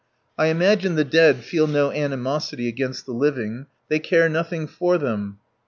"I imagine the dead feel no animosity against the living. They care nothing for them."